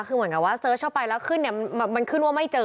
คือเหมือนกับว่าเสิร์ชเข้าไปแล้วขึ้นเนี่ยมันขึ้นว่าไม่เจอ